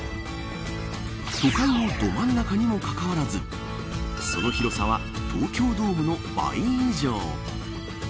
都会のど真ん中にもかかわらずその広さは東京ドームの倍以上。